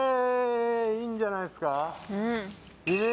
いいんじゃないですか。